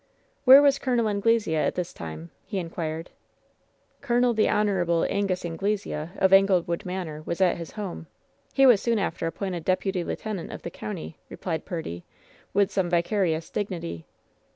"Where was Col. Anglesea at this time ?" he inquired. "Col. the Hon. Angus Anglesea, of Anglewood Manor, was at his home. He was soon after appointed deputy lieutenant of the county," replied Purdy, with some vicarious dignity.